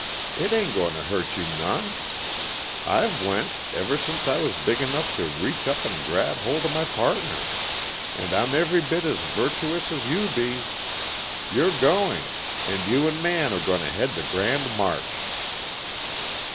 It ain't going to hurt you none. I've went, ever sence I was big enough to reach up and grab holt of my pardner and I'm every bit as virtuous as you be. You're going, and you'n Man are going to head the grand march."